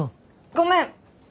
ごめん！